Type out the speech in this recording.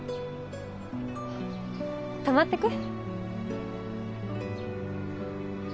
泊まってく？